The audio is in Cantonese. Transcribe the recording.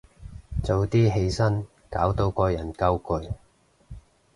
早啲起身，搞到個人夠攰